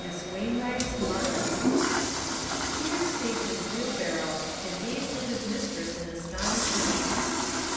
MISS WAINWBIGHT'S " MUDDLE." PETER stayed his wheelbarrow, and gazed at Ins mistress in astonishment.